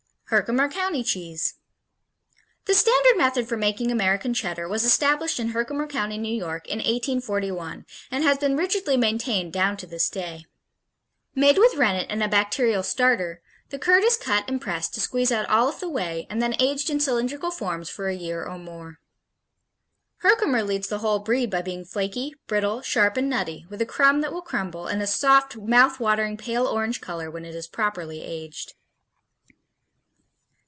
Herkimer County Cheese The standard method for making American Cheddar was established in Herkimer County, New York, in 1841 and has been rigidly maintained down to this day. Made with rennet and a bacterial "starter," the curd is cut and pressed to squeeze out all of the whey and then aged in cylindrical forms for a year or more. Herkimer leads the whole breed by being flaky, brittle, sharp and nutty, with a crumb that will crumble, and a soft, mouth watering pale orange color when it is properly aged.